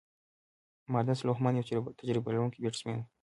مارنس لوهمان یو تجربه لرونکی بیټسمېن وو.